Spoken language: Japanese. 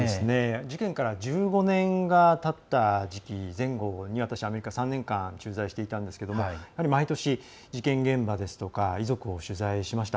事件から１５年がたった時期、前後に私はアメリカに３年間駐在していたんですけど毎年、事件現場ですとか遺族を取材しました。